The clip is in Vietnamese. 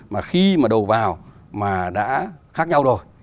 mà khi mà đầu vào mà đã khác nhau rồi